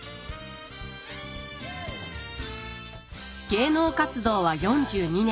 芸能活動は４２年。